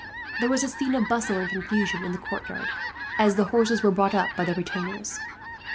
There was a scene of bustle and confusion in the courtyard, as the horses were brought up by the retainers.